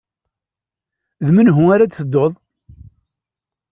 D menhu ara d-tedduḍ?